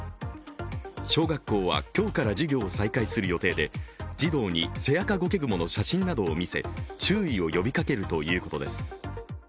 小学校は今日から授業を再開する予定で、児童にセアカゴケグモの写真などを見せ注意を呼びかけるということです。